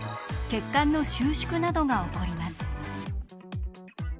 血管の収縮などが起こります。